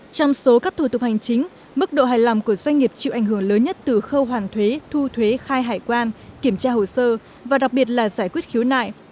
trong số các thủ tục hành chính mức độ hài lòng của doanh nghiệp chịu ảnh hưởng lớn nhất từ khâu hoàn thuế thu thuế khai hải quan kiểm tra hồ sơ và đặc biệt là giải quyết khiếu nại